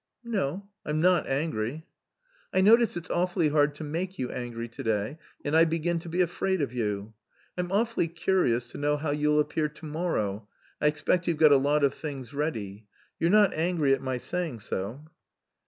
"No, I'm not angry." "I notice it's awfully hard to make you angry to day, and I begin to be afraid of you. I'm awfully curious to know how you'll appear to morrow. I expect you've got a lot of things ready. You're not angry at my saying so?"